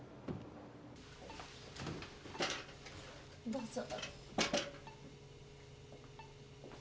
どうぞ。